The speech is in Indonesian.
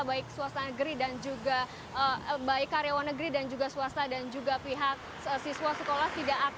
baik karyawan negeri dan juga swasta dan juga pihak siswa sekolah